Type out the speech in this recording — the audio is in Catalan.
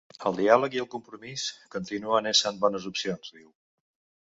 El diàleg i el compromís continuen essent bones opcions, diu.